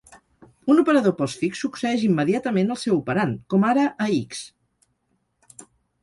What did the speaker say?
Un operador postfix succeeix immediatament el seu operand, com ara a x!